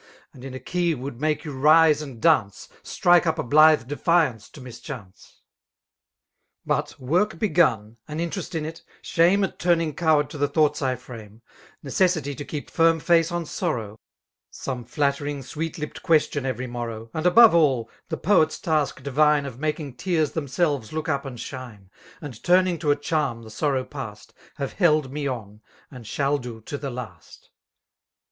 And: in a key would make you rise and dance,. Strike up a blithe d^flMic^ to mischance*. ~. e m But work begun, an interest in it^ shame At turning coward to the thoughts I,fraiiie> Necessity to keep firm face on sorrow. Some flattering> sweet lipped question every morroi^. And above all, the poet's ta^k divine Of making tears themselves look up and shine. And turning to a charm the sorrow past. Have held me on, and shall do to the last.